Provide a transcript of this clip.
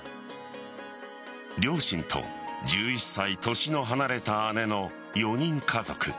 両親と１１歳年の離れた姉の４人家族。